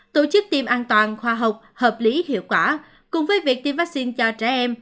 tổ chức tiêm an toàn khoa học hợp lý hiệu quả cùng với việc tiêm vaccine cho trẻ em